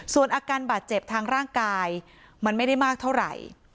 ส่วนอาการบาดเจ็บทางร่างกายมันไม่ได้มากเท่าไหร่